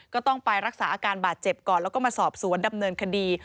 ก็ต้องไปรักษาอาการบาดเจ็บก่อนแล้วก็มาสอบสวนดำเนินคดี